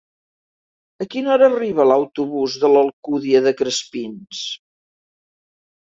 A quina hora arriba l'autobús de l'Alcúdia de Crespins?